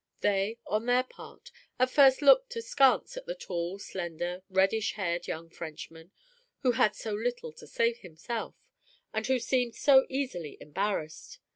They, on their part, at first looked askance at the tall, slender, reddish haired young Frenchman, who had so little to say himself, and who seemed so easily embarrassed.